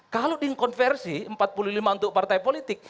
kalau dikonversi empat puluh lima untuk partai politik